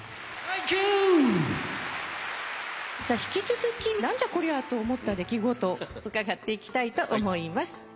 引き続きなんじゃこりゃあと思った出来事伺っていきたいと思います。